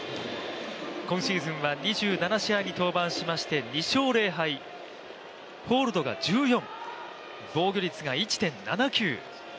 今シーズンは２７試合に登板しまして、２勝０敗、フォールドが１４、防御率が１．７９。